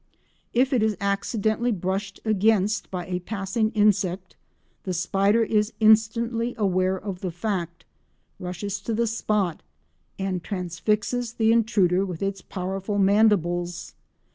If it is accidentally brushed against by a passing insect the spider is instantly aware of the fact, rushes to the spot, and transfixes the intruder with its powerful mandibles.